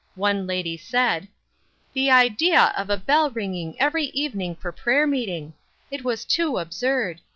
One lady said: "The idea of the bell ringing every evening for prayer meeting! It was too absurd!